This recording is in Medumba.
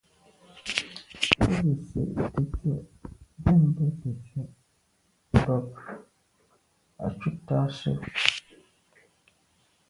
Û gə̄ sə̂' tə̀tswə́' mbɛ̂n bə̂ tə̀tswə́' mbə̄ bə̀k à' cúptə́ â sə́.